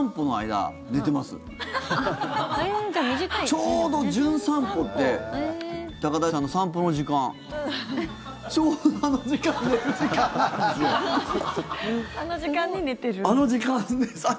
ちょうど「じゅん散歩」って高田さんの散歩の時間ちょうどあの時間寝る時間なんですよ。